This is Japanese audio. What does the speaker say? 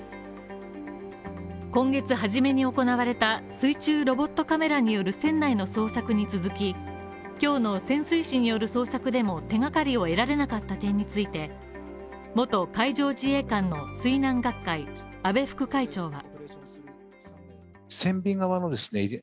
今月初めに行われた水中ロボットカメラによる船内の捜索に続き今日の潜水士による捜索でも手がかりを得られなかった点について、元海上自衛官の水難学会安倍副会長が。